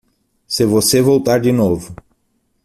Se você voltar de novo